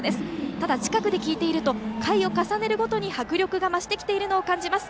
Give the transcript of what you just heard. ただ、近くで聞いていると回を重ねるごとに迫力が増してきているのを感じます。